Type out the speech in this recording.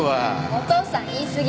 お父さん言いすぎ。